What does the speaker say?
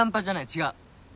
違う！